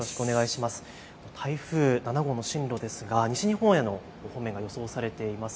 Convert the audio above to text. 台風７号の進路ですが西日本方面が予想されています。